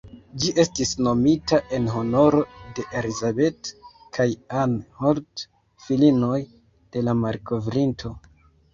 Ĝi estis nomita en honoro de "Elizabeth" kaj "Ann Holt", filinoj de la malkovrinto.